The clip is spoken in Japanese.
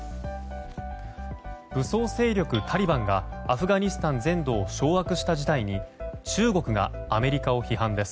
武装勢力タリバンがアフガニスタン全土を掌握した事態に中国がアメリカを批判です。